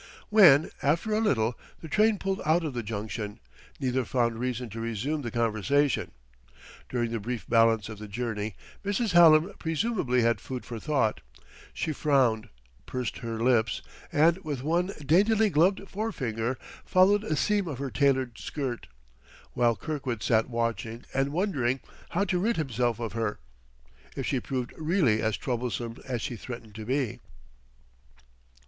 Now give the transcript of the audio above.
When, after a little, the train pulled out of the junction, neither found reason to resume the conversation. During the brief balance of the journey Mrs. Hallam presumably had food for thought; she frowned, pursed her lips, and with one daintily gloved forefinger followed a seam of her tailored skirt; while Kirkwood sat watching and wondering how to rid himself of her, if she proved really as troublesome as she threatened to be.